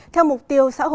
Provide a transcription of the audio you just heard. theo mục tiêu sáng tạo